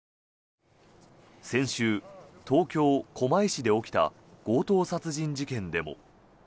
先週、東京・狛江市で起きた強盗殺人事件でも。